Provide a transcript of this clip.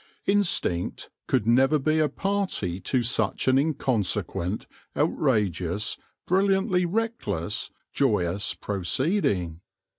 Instinct could never be a party to such an inconsequent, outrageous, brilliantly reckless, joyous proceeding.